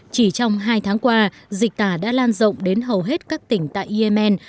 chỉ trong hai tháng qua dịch tả đã lan rộng đến hầu hết các tỉnh tại yemen